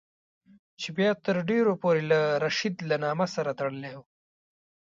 چې بیا تر ډېرو پورې له رشید له نامه سره تړلی وو.